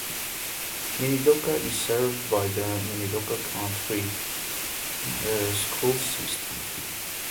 Minidoka is served by the Minidoka County Schools system.